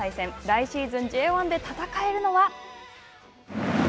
来シーズンＪ１で戦えるのは？